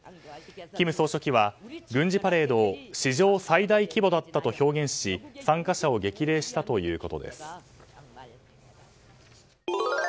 金総書記は、軍事パレードを史上最大規模だったと表現し参加者を激励したということです。